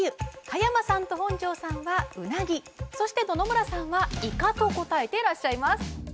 葉山さんと本上さんは「うなぎ」そして野々村さんは「いか」と答えてらっしゃいます